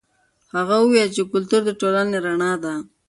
هغه وویل چې کلتور د ټولنې رڼا ده.